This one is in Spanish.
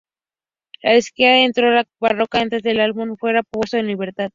La disquera entró en bancarrota antes de que el álbum fuera puesto en libertad.